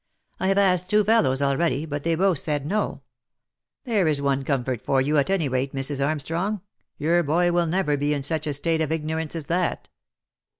I have asked two fellows already, but they both said, * No.' — There is one comfort for you, at any rate, Mrs. Armstrong, your boy will never be in such a state of ignorance as that."